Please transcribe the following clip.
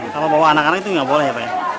kalau bawa anak anak itu nggak boleh ya pak ya